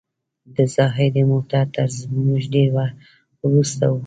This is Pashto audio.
د زاهدي موټر تر موږ ډېر وروسته و.